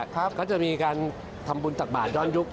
ครับเขาจะมีการทำบุญตักบาทย้อนยุค